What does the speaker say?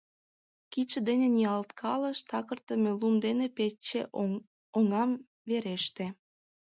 Кидше дене ниялткалыш — такыртыме лум ден пече оҥам вереште.